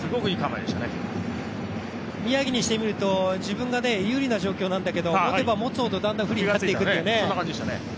宮城にしてみると自分が有利な状況なんだけど持てば持つほどだんだん不利になっていくというね。